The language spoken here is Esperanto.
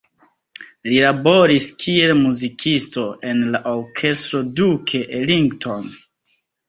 Li laboris kiel muzikisto en la Orkestro Duke Ellington.